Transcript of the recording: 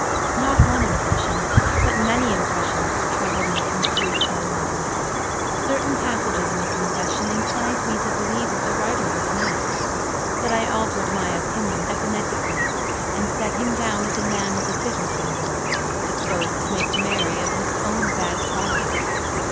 Not one impression, but many impressions, troubled and confused my mind. Certain passages in the confession inclined me to believe that the writer was mad. But I altered my opinion at the next leaf, and set him down as a man with a bitter humor, disposed to make merry over his own bad qualities.